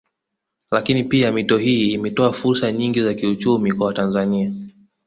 Lakini pia mito hii imetoa fursa nyingi za kiuchumi kwa watanzania